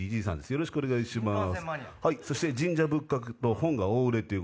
よろしくお願いします。